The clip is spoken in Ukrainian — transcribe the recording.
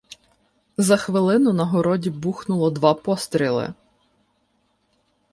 За хвилину на городі бухнуло два постріли.